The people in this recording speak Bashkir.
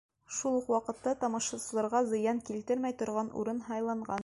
Шул уҡ ваҡытта тамашасыларға зыян килтермәй торған урын һайланған.